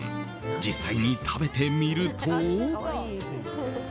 実際に食べてみると。